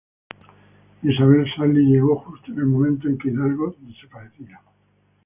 Isabel Sarli llegó justo en el momento en que Hidalgo desaparecía.